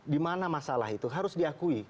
di mana masalah itu harus diakui